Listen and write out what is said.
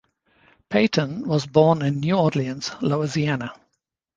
Payton was born in New Orleans, Louisiana.